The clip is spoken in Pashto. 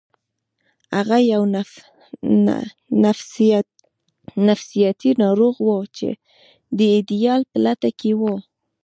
هغه یو نفسیاتي ناروغ و چې د ایډیال په لټه کې و